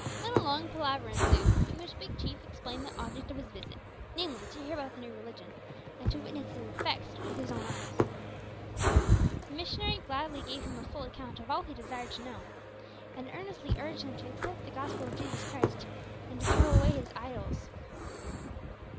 Then a long palaver ensued, in which Big Chief explained the object of his visit, namely, to hear about the new religion, and to witness its effects with his own eyes. The missionary gladly gave him a full account of all he desired to know, and earnestly urged him to accept the Gospel of Jesus Christ, and to throw away his idols.